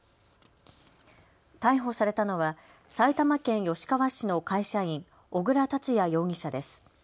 逮捕されたのは埼玉県吉川市の会社員、小椋達也容疑者です。